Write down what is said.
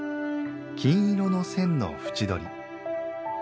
金色の線の縁どり。